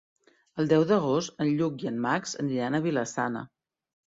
El deu d'agost en Lluc i en Max aniran a Vila-sana.